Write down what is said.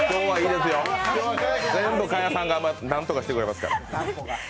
全部賀屋さんが何とかしてくれますから。